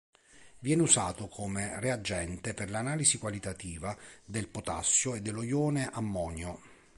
Viene usato come reagente per l'analisi qualitativa del potassio e dello ione ammonio.